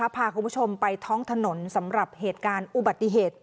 พาคุณผู้ชมไปท้องถนนสำหรับเหตุการณ์อุบัติเหตุ